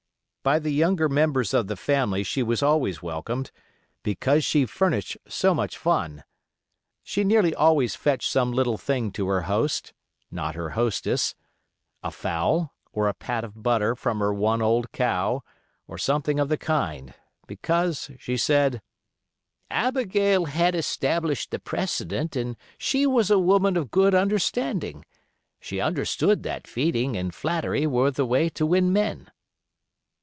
By the younger members of the family she was always welcomed, because she furnished so much fun. She nearly always fetched some little thing to her host—not her hostess—a fowl, or a pat of butter from her one old cow, or something of the kind, because, she said, "Abigail had established the precedent, and she was 'a woman of good understanding'—she understood that feeding and flattery were the way to win men."